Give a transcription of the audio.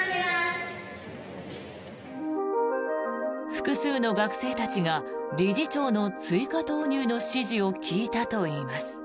複数の学生たちが理事長の追加投入の指示を聞いたといいます。